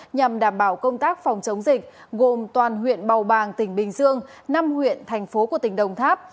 nhằm đảm bảo công tác phòng chống dịch gồm toàn huyện bầu bàng tỉnh bình dương năm huyện thành phố của tỉnh đồng tháp